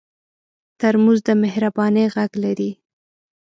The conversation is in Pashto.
ترموز د مهربانۍ غږ لري.